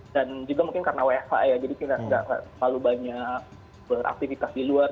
dan juga mungkin karena wfa ya jadi kita nggak terlalu banyak beraktivitas di luar